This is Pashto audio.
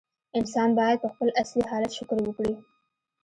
انسان باید په خپل اصلي حالت شکر وکړي.